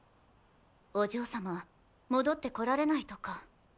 お嬢様戻ってこられないとか。